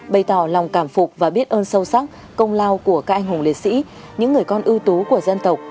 bày tỏ lòng cảm phục và biết ơn sâu sắc công lao của các anh hùng liệt sĩ những người con ưu tú của dân tộc